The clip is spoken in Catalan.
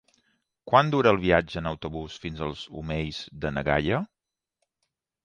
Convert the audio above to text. Quant dura el viatge en autobús fins als Omells de na Gaia?